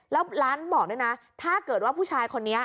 แล้วร้านบอกด้วยนะถ้าเกิดว่าผู้ชายคนนี้